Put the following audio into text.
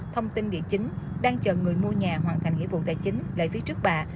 thông tin địa chính đang chờ người mua nhà hoàn thành nghĩa vụ tài chính lại phía trước bà